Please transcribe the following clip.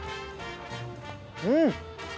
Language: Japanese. うん！